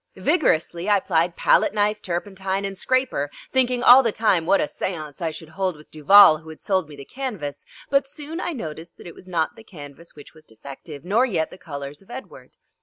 Vigorously I plied palette knife, turpentine, and scraper, thinking all the time what a séance I should hold with Duval who had sold me the canvas; but soon I noticed that it was not the canvas which was defective nor yet the colours of Edward.